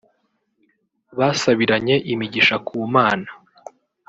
basabiranye imigisha ku Imana